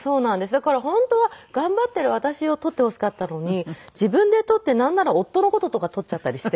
だから本当は頑張っている私を撮ってほしかったのに自分で撮ってなんなら夫の事とか撮っちゃったりして。